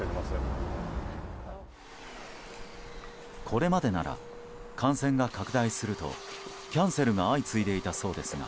これまでなら感染が拡大するとキャンセルが相次いでいたそうですが。